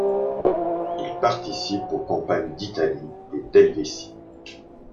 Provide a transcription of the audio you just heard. Il participe aux campagnes d’Italie et d’Helvétie.